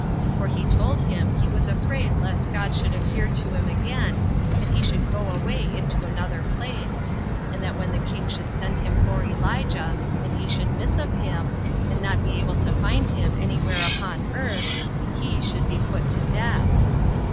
For he told him he was afraid lest God should appear to him again, and he should go away into another place; and that when the king should send him for Elijah, and he should miss of him, and not be able to find him any where upon earth, he should be put to death.